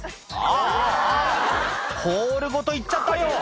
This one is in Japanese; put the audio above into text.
あぁあぁホールごと行っちゃったよ